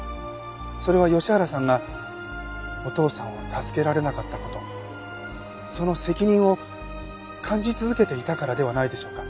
それは吉原さんがお父さんを助けられなかった事その責任を感じ続けていたからではないでしょうか？